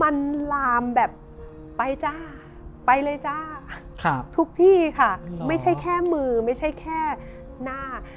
มันลามแบบไปจ้าไปเลยจ้าครับทุกที่ค่ะไม่ใช่แค่มือไม่ใช่แค่หน้า